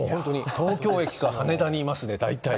東京駅か羽田にいますね大体。